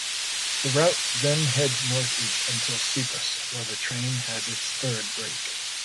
The route then heads north-east until Sivas, where the train has its third break.